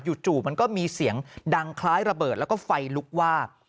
จู่มันก็มีเสียงดังคล้ายระเบิดแล้วก็ไฟลุกวาบ